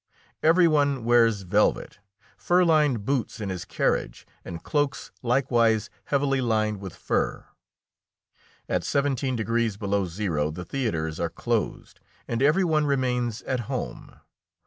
Every one wears velvet, fur lined boots in his carriage, and cloaks likewise heavily lined with fur. At seventeen degrees below zero the theatres are closed, and every one remains at home.